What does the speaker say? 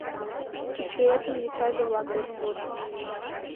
Чӱчӱэтын йочаже-влак дене мод.